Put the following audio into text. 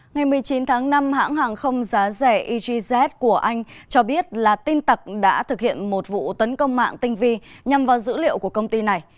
ngày một mươi chín tháng năm hãng hàng không giá rẻ egz của anh cho biết là tin tặc đã thực hiện một vụ tấn công mạng tinh vi nhằm vào dữ liệu của công ty này